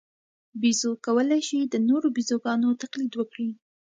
بیزو کولای شي د نورو بیزوګانو تقلید وکړي.